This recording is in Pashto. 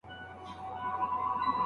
نور پر کمبله راته مه ږغوه